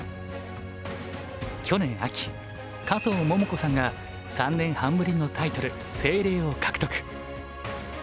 去年秋加藤桃子さんが３年半ぶりのタイトル清麗を獲得。